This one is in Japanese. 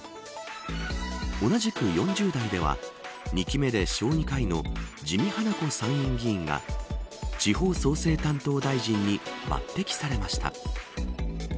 同じく４０代では２期目で小児科医の自見英子参院議員が地方創生担当大臣に抜てきされました。